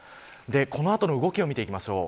この後の動きを見ていきましょう。